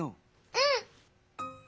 うん！